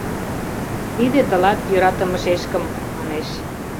— Тиде тылат, йӧратыме шешкым, — манеш.